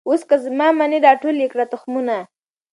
اوس که زما منۍ را ټول یې کړی تخمونه